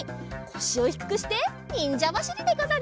こしをひくくしてにんじゃばしりでござる。